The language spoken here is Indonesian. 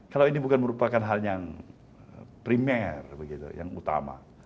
kalau ini bukan merupakan hal yang primer begitu yang utama